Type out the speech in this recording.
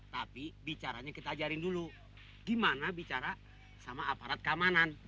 tapi bicaranya kita ajarin dulu gimana bicara sama aparat keamanan